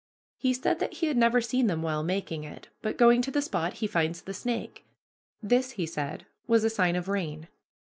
He said that he had never seen them while making it, but going to the spot he finds the snake. This, he said, was a sign of rain.